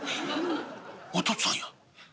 お父っつぁんや。